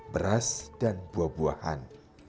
beras dan buah buahan